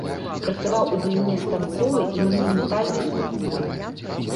Працаваў у галіне станковай і манументальнай скульптуры.